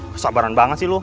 kesabaran banget sih lo